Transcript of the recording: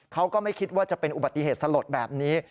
เขาก็ไม่คิดว่าจะเป็นอุบัติเหตุสลดแบบนี้